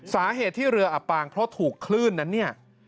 สาเหตุที่เรืออับปางเพราะถูกคลื่นนั้นเนี่ย